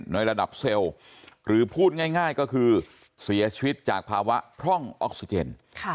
ในระดับเซลล์หรือพูดง่ายก็คือเสียชีวิตจากภาวะพร่องออกซิเจน